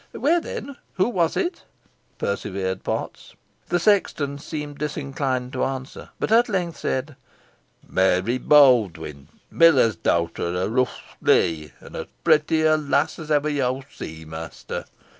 "Where then who was it?" persevered Potts. The sexton seemed disinclined to answer; but at length said, "Meary Baldwyn, the miller's dowter o' Rough Lee, os protty a lass os ever yo see, mester.